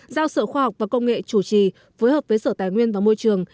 giao sở khoa học và công nghệ chủ trì phối hợp với sở tài nguyên và môi trường